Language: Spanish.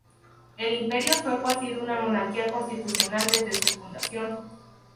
El Imperio Sueco ha sido una monarquía constitucional desde su fundación.